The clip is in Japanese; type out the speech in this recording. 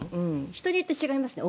人によって違いますね。